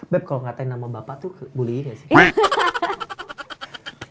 beb kalo ngatain nama bapak tuh bullyin gak sih